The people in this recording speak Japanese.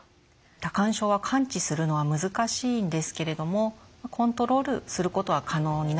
多汗症は完治するのは難しいんですけれどもコントロールすることは可能になってきました。